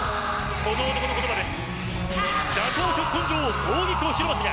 この男の言葉です。